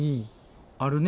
あるね